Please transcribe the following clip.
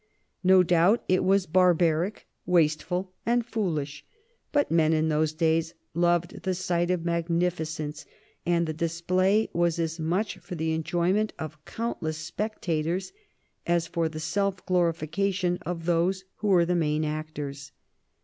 No doubt it was barbaric, waste ful, and foolish ; but men in those days loved the sight of magnificence, and the display was as much for the enjoyment of countless^pectators as for the self glorifica tion of those who were the main actors.